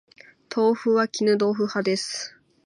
豆腐は絹豆腐派です